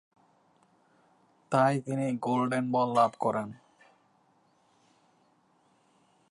তাই তিনি golden ball লাভ করেন।